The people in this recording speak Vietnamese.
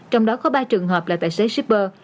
trong đó có ba trường hợp là tài xế shipper